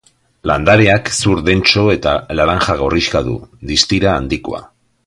Landareak zur dentso eta laranja-gorrixka du, distira handikoa.